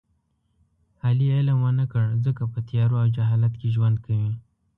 علي علم و نه کړ ځکه په تیارو او جهالت کې ژوند کوي.